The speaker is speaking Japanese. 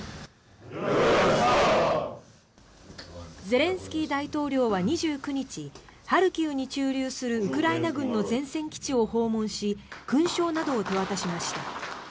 ゼレンスキー大統領は２９日ハルキウに駐留するウクライナ軍の前線基地を訪問し勲章などを手渡しました。